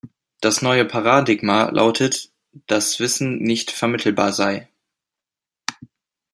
Das neue Paradigma lautet, dass Wissen nicht vermittelbar sei.